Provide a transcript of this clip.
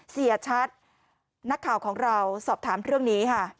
เสียชัดนักข่าวของเราสอบถามเรื่องนี้ค่ะ